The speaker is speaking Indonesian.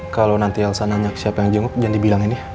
kalau nanti elsa nanya siapa yang jenguk jangan dibilang ini